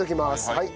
はい。